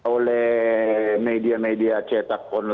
oleh media media cetak online